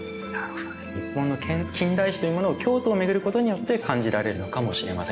日本の近代史というのを京都を巡ることによって感じられるのかもしれません。